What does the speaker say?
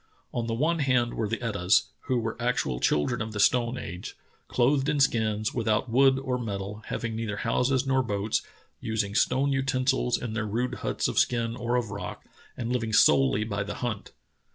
On the one hand were the Etahs, who were actual children of the stone age — clothed in skins, without wood or metal, having neither houses nor boats, using stone utensils in their rude huts of skin or of rock, and living solely by the hunt.